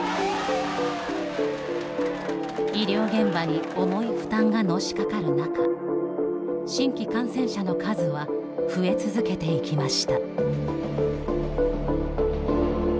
医療現場に重い負担がのしかかる中新規感染者の数は増え続けていきました。